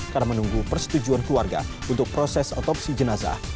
karena menunggu persetujuan keluarga untuk proses otopsi jenazah